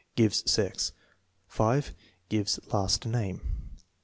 Gives sex. 5. Gives last name.